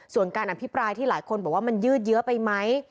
ส่วนการอภิปรายที่หลายคนบอกว่ามันยืดเยอะไปไหม